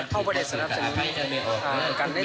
หรือบางอย่างต่าง